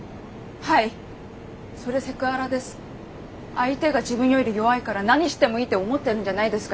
相手が自分より弱いから何してもいいって思ってるんじゃないですか